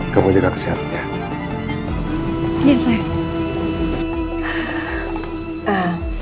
kamu juga kesehatan ya